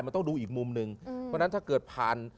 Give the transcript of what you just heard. มันต้องดูอีกมุมหนึ่งเพราะฉะนั้นถ้าเกิดผ่าน